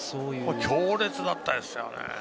強烈だったですよね。